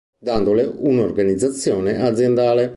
Dandole un'organizzazione aziendale.